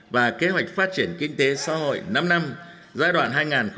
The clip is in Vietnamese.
và kế hoạch phát triển kinh tế xã hội năm năm giai đoạn hai nghìn hai mươi một hai nghìn hai mươi năm